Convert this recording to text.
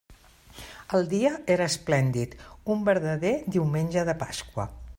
El dia era esplèndid; un verdader diumenge de Pasqua.